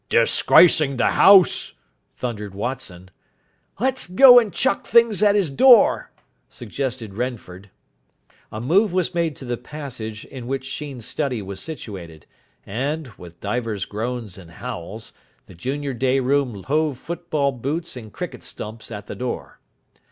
"Disgracing the house!" thundered Watson. "Let's go and chuck things at his door," suggested Renford. A move was made to the passage in which Sheen's study was situated, and, with divers groans and howls, the junior day room hove football boots and cricket stumps at the door.